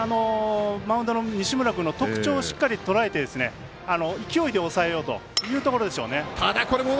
マウンドの西村君の特徴をしっかりとらえて勢いで抑えようというところです。